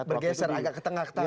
bergeser agak ke tengah tengah